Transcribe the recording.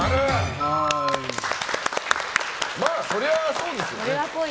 そりゃそうですよね。